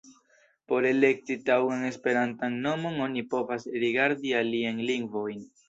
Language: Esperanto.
Por elekti taŭgan esperantan nomon, oni povas rigardi aliajn lingvojn.